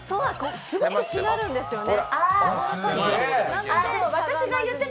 すごくしなるんですよね、